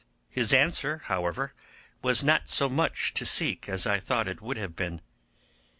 His answer, however, was not so much to seek as I thought it would have been.